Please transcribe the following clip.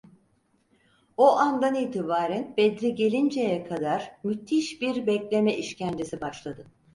O andan itibaren Bedri gelinceye kadar müthiş bir bekleme işkencesi başladı.